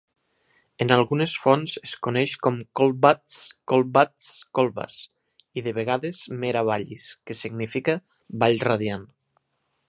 En algunes fonts es coneix com "Colbatz", "Kolbatz", "Colbas" i de vegades "Mera Vallis", que significa "Vall radiant".